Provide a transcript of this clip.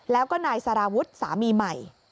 แล้วก็นายสารวุฒิสามีใหม่